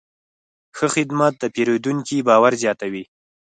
ښه خدمت د پیرودونکي باور زیاتوي.